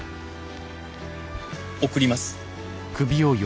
送ります？